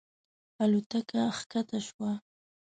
الوتکه کښته شوه.